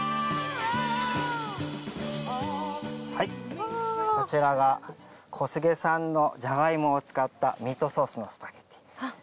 はいこちらが小菅産のジャガイモを使ったミートソースのスパゲティ。